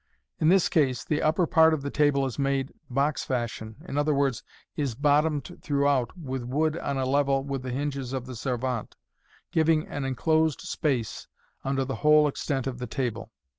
In this case, the upper part of the table is made box fashion j i.e., is bottomed throughout with wood on a level with the hinges of the servante, giving an enclosed space under the whole extent of the table.